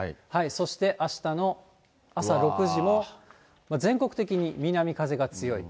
そしてあしたの朝６時も、全国的に南風が強い。